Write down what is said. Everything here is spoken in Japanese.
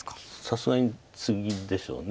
さすがにツギでしょう。